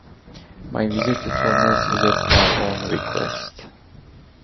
My visit to Torness is at my own request.